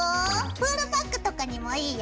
プールバッグとかにもいいよ。